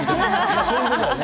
まあそういうことだね。